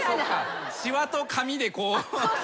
しわと髪でこう。